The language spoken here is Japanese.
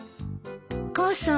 母さん。